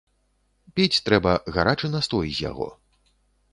Піць трэба гарачы настой з яго.